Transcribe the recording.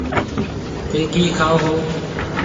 ٿَي ڪِي کائون؟